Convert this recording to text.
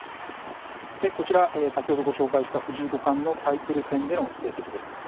こちら、先ほどご紹介した藤井五冠のタイトル戦での成績です。